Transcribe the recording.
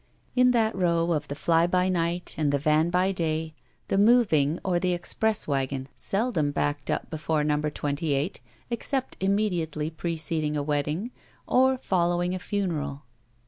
In that row of the fly by night and the van by day, the moving or the express wagon seldom backed up before No. 28, except immediately preceding a wedding or fol lowing a funeral.